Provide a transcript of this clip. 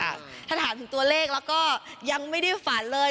ถ้าถามถึงตัวเลขแล้วก็ยังไม่ได้ฝันเลย